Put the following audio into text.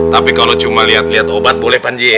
tapi kalau cuma liat liat obat boleh panji ya